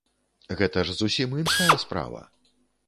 Гэта ж зусім іншая справа.